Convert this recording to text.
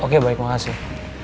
oke baik makasih